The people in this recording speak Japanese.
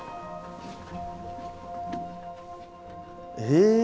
え！